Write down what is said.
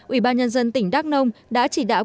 ủy ban nhân dân tỉnh đắk nông đã chỉ đạo